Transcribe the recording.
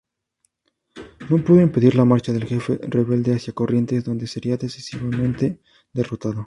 No pudo impedir la marcha del jefe rebelde hacia Corrientes, donde sería decisivamente derrotado.